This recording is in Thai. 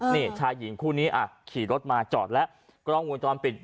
นี่ชายหญิงคู่นี้อ่ะขี่รถมาจอดแล้วกล้องวงจรปิด